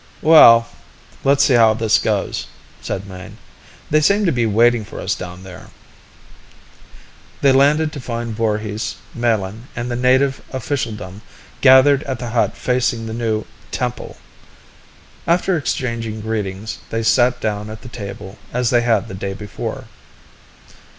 "Well ... let's see how this goes," said Mayne. "They seem to be waiting for us down there." They landed to find Voorhis, Melin, and the native officialdom gathered at the hut facing the new "temple." After exchanging greetings, they sat down at the table as they had the day before.